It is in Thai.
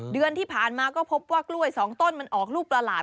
เดือนที่ผ่านมาก็พบว่ากล้วย๒ต้นมันออกลูกประหลาด